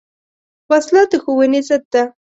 وسله د ښوونې ضد ده